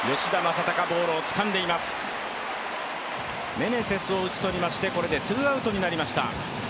メネセスを打ち取りまして、これでツーアウトになりました。